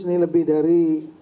ini lebih dari